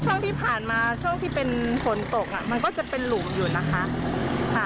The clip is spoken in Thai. ช่วงที่ผ่านมาช่วงที่เป็นฝนตกอ่ะมันก็จะเป็นหลุมอยู่นะคะ